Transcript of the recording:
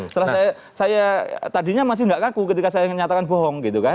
setelah saya tadinya masih tidak kaku ketika saya menyatakan bohong gitu kan